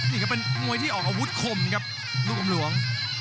นี่ครับเป็นมวยที่ออกอาวุธคมครับลูกกำหลวง